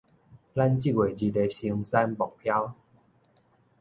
咱這月日的生產目標